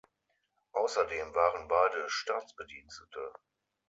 Außerdem waren beide Staatsbedienstete.